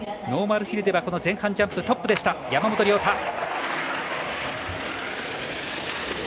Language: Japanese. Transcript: ノーマルヒルでは前半ジャンプ、トップでした山本涼太。